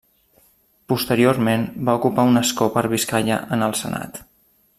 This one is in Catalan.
Posteriorment va ocupar un escó per Biscaia en el Senat.